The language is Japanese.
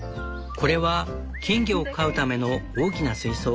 これは金魚を飼うための大きな水槽。